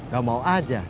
gak mau aja